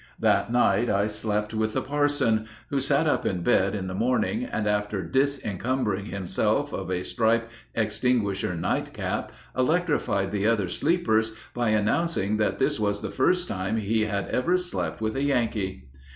That night I slept with the parson, who sat up in bed in the morning, and after disencumbering himself of a striped extinguisher nightcap, electrified the other sleepers by announcing that this was the first time he had ever slept with a Yankee.